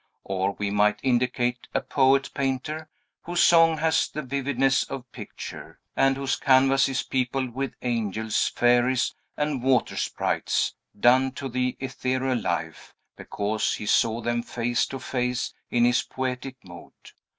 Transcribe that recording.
Or we might indicate a poet painter, whose song has the vividness of picture, and whose canvas is peopled with angels, fairies, and water sprites, done to the ethereal life, because he saw them face to face in his poetic mood.